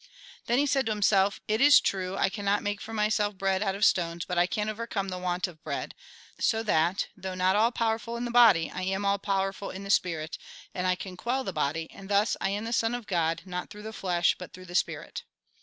Then he said to him self, " It is true, I cannot make for myself bread out of stones ; but I can overcome the want of bread. So that, though not all powerful in the body, I am all powerful in the spirit, and I can quell the body ; and thus I am the Son of God, not through the flesh, but through the spirit."